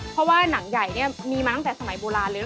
เพราะว่าหนังใหญ่เนี่ยมีมาตั้งแต่สมัยโบราณเลย